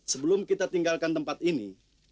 sebelum kita tinggalkan tempat ini